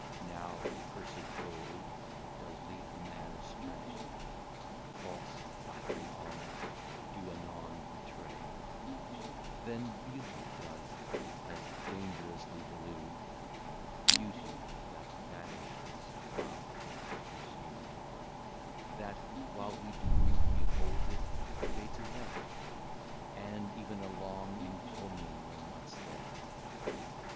Now cursed Gold does lead the Man astray, False flatt'ring Honours do anon betray, Then Beauty does as dang'rously delude, Beauty, that vanishes, while 'tis pursu'd, That, while we do behold it, fades away, And even a Long Encomium will not stay.